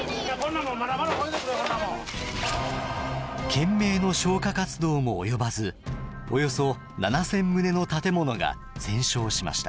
懸命の消火活動も及ばずおよそ７，０００棟の建物が全焼しました。